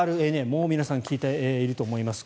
もう皆さん聞いていると思います。